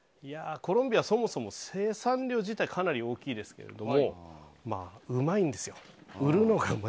コロンビアはそもそも生産量自体かなり大きいんですけど売るのがうまいんですよ。